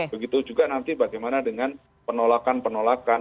begitu juga nanti bagaimana dengan penolakan penolakan